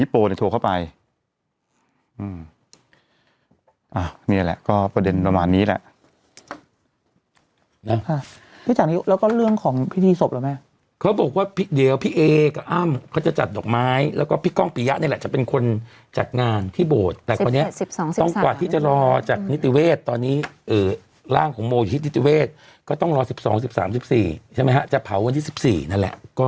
พิจารณีแล้วก็เรื่องของพิธีศพเหรอแม่เขาบอกว่าเดี๋ยวพี่เอกับอ้ามเขาจะจัดดอกไม้แล้วก็พี่ก้องปิยะนี่แหละจะเป็นคนจัดงานที่โบสถ์แต่ตอนเนี้ยสิบสองสิบสามตอนนี้ต้องกว่าที่จะรอจากนิติเวทย์ตอนนี้เอ่อร่างของโมทิศนิติเวทย์ก็ต้องรอสิบสองสิบสามสิบสี่ใช่ไหมฮะจะเผาวันที่สิบสี่นั่นแหละก็